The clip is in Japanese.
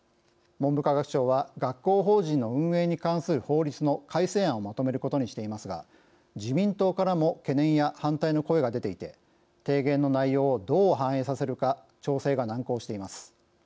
文部科学省は学校法人の運営に関する法律の改正案をまとめることにしていますが自民党からも懸念や反対の声が出ていて提言の内容をどう反映させるか調整が難航しています。